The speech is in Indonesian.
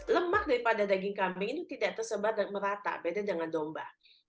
lemak daripada daging kambing itu tidak tersebar dan merata beda dengan domba